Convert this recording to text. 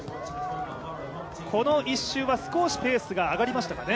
この１周は少しペースが上がりましたかね。